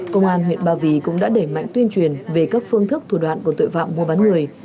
công an huyện ba vì cũng đã để mạnh tuyên truyền về các phương thức thủ đoạn của tội phạm mua bán người